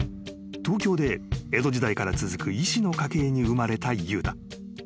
［東京で江戸時代から続く医師の家系に生まれた悠太］